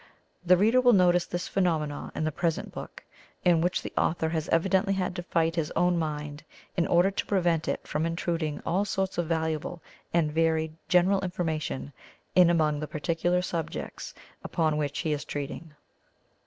The reader will notice this phenomenon in the present book, in which the author has evidently had to fight his own mind in order to prevent it from intruding all sorts of valuable and varied general information in among the particular subjects upon which he is treating.